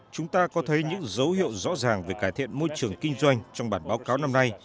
chúng ta có thấy những dấu hiệu rõ ràng về cải thiện môi trường kinh doanh trong bản báo cáo năm nay